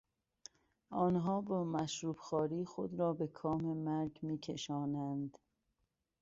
آنها با مشروب خواری خود را به کام مرگ میکشانند.